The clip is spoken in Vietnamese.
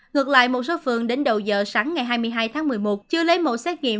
ngược lại một số phường đến đầu giờ sáng ngày hai mươi hai tháng một mươi một chưa lấy mẫu xét nghiệm